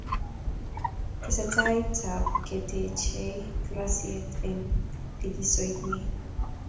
tesetai ketechei klassisie eng likisoit ni.